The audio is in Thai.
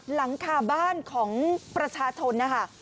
หลังคาบ้านของประชาชนนะคะ